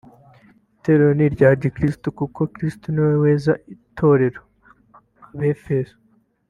Itorero ni irya Kristo kuko Kristo ni we weza Itorero (Abef